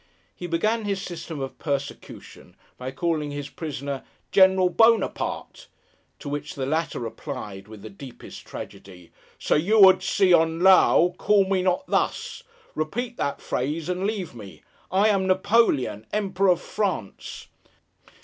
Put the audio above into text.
He began his system of persecution, by calling his prisoner 'General Buonaparte;' to which the latter replied, with the deepest tragedy, 'Sir Yew ud se on Low, call me not thus. Repeat that phrase and leave me! I am Napoleon, Emperor of France!